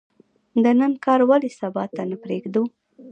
د نن کار ولې سبا ته نه پریږدو؟